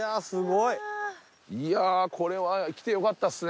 いやーこれは来てよかったっすね。